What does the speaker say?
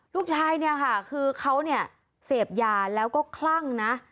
ลูกชายเนี่ยค่ะคือเขาเนี่ยเสพยาแล้วก็คลั่งนะ